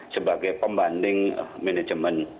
sebagai pembanding manajemen